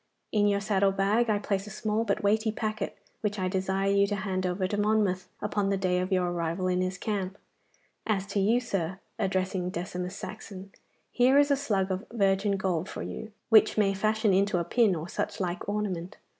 In your saddle bag I place a small but weighty packet, which I desire you to hand over to Monmouth upon the day of your arrival in his camp. As to you, sir,' addressing Decimus Saxon, 'here is a slug of virgin gold for you, which may fashion into a pin or such like ornament.